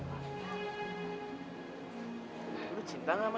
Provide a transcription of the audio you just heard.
tapi aku yakin mas erwin bisa membahagiakan aku